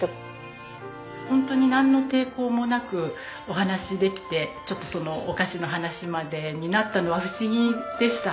ホントになんの抵抗もなくお話しできてちょっとそのお菓子の話までになったのは不思議でした。